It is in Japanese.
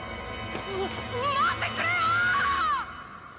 待ってくれよ！